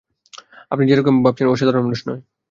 আপনি যেরকম ভাবছেন ও সাধারণ মানুষ নয়।